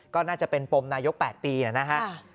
ก็น่าจะเป็นปมนายก๘ปีนะครับ